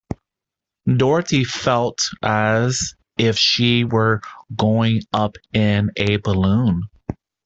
Dorothy felt as if she were going up in a balloon.